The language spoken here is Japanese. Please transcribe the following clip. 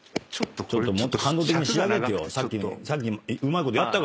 もっと感動的に仕上げてよ。